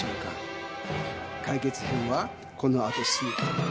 解決編はこのあとすぐ。